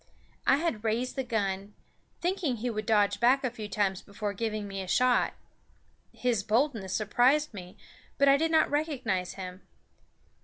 I had raised the gun, thinking he would dodge back a few times before giving me a shot; his boldness surprised me, but I did not recognize him.